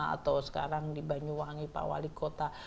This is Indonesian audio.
atau sekarang di banyuwangi pak wali kota